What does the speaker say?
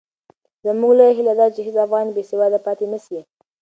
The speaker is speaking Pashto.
زموږ لویه هیله دا ده چې هېڅ افغان بې سواده پاتې نه سي.